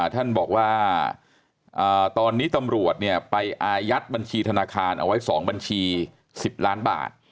ท่านบอกว่าตอนนี้ตำรวจไปอายัดบัญชีธนาคารเอาไว้๒บัญชี๑๐ล้านบาท